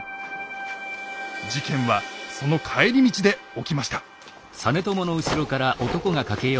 事件はその帰り道で起きました。